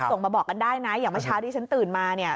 ส่งมาบอกกันได้นะอย่างเมื่อเช้าที่ฉันตื่นมาเนี่ย